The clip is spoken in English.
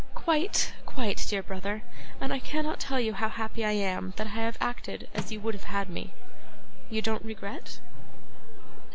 'Quite, quite, dear brother; and I cannot tell you how happy I am that I have acted as you would have had me.' 'You don't regret?